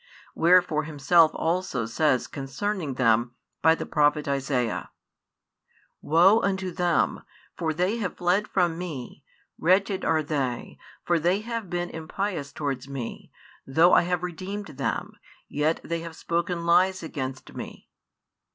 Wherefore Himself also says concerning them, by the prophet Isaiah: Woe unto them! for they have fled from Me; wretched are they, for they have been impious towards Me: though I have redeemed them, yet they have spoken lies against Me.